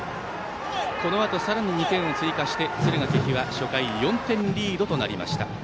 このあと、さらに２点を追加して敦賀気比は初回４点リードとなりました。